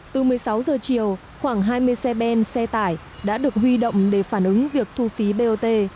từ một mươi sáu giờ chiều khoảng hai mươi xe ben xe tải đã được huy động để phản ứng việc thu phí bot